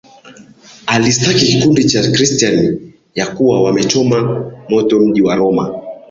alishtaki kikundi cha Chrestiani ya kuwa wamechoma moto mji wa Roma